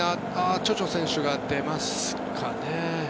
チョチョ選手が出ますかね。